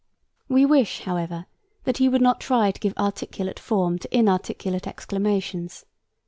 We wish, however, that he would not try to give articulate form to inarticulate exclamations.